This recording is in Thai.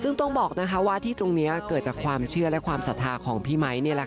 สิ่งต้องบอกนะคะว่าที่ตรงนี้เกิดจากความเชื่อและความสัตบ์ภาคของพี่ไม้นี่แหละค่ะ